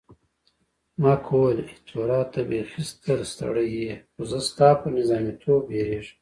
مک وویل، ایټوره ته بیخي ستر سړی یې، خو زه ستا پر نظامیتوب بیریږم.